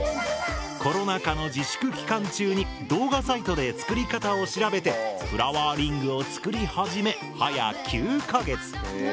コロナ禍の自粛期間中に動画サイトで作り方を調べてフラワーリングを作り始め早９か月。